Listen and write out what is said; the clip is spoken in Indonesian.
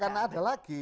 iya enggak akan ada lagi